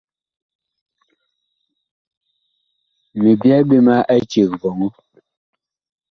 Mi byɛɛ ɓe ma eceg vɔŋɔ.